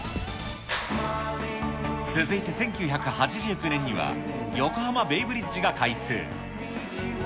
続いて１９８９年には、横浜ベイブリッジが開通。